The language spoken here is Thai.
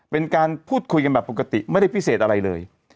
เป็นการพูดคุยกันแบบปกติไม่ได้พิเศษอะไรเลย